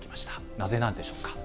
なぜなんでしょうか。